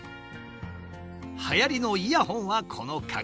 はやりのイヤホンはこの価格。